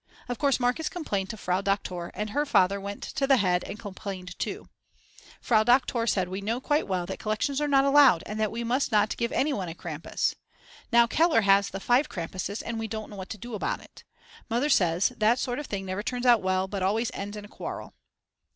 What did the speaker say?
Of course Markus complained to Frau Doktor and her father went to the head and complained too. Frau Doktor said we know quite well that collections are not allowed and that we must not give any one a Krampus. Now Keller has the five Krampuses and we don't know what to do about it. Mother says that sort of thing never turns out well but always ends in a quarrel.